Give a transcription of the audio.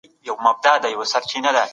په عامه لارو کې ګرځېدل نه بندېږي.